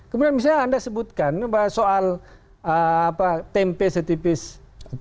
kemudian misalnya anda sebutkan soal tempe setipis